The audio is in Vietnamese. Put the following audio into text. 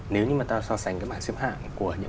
nếu như mà ta so sánh cái bảng xếp hạng của những